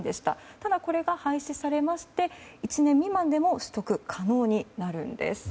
ただ、これが廃止されまして１年未満でも取得可能になるんです。